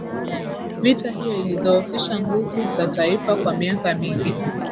vita hiyo ilidhoofisha nguvu za taifa kwa miaka mingi